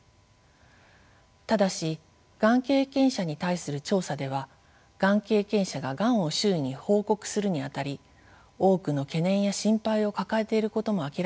ただしがん経験者に対する調査ではがん経験者ががんを周囲に報告するにあたり多くの懸念や心配を抱えていることも明らかになっています。